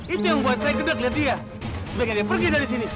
itu yang buat saya kedek lihat dia sebaiknya pergi dari sini